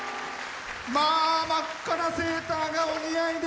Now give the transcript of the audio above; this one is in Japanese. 真っ赤なセーターがお似合いで。